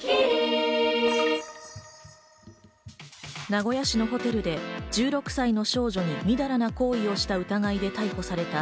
名古屋市のホテルで１６歳の少女にみだらな行為をした疑いで逮捕された